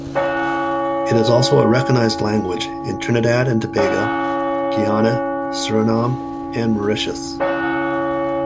It is also a recognized language in Trinidad and Tobago, Guyana, Suriname, and Mauritius.